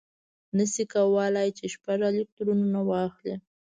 نه شي کولای چې شپږ الکترونه واخلي.